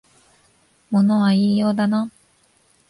物は言いようだな